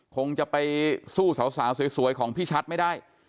คงจะไปสู้สาวสวยของพี่ชัดไม่ได้